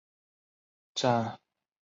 车站设有男女独立的冲洗式厕所。